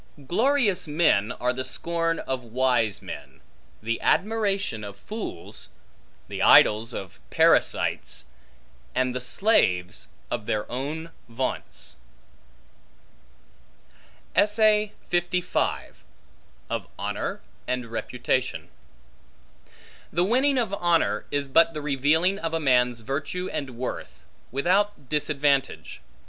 Glorious men are the scorn of wise men, the admiration of fools, the idols of parasites, and the slaves of their own vaunts. Of Honor And Reputation THE winning of honor, is but the revealing of a man's virtue and worth, without disadvantage.